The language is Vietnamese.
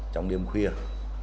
trong đêm khuya